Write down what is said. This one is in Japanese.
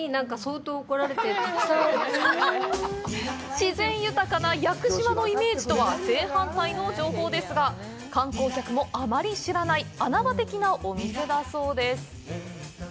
自然豊かな屋久島のイメージとは正反対の情報ですが観光客もあまり知らない穴場的なお店だそうです。